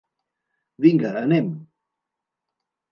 Vinga, anem!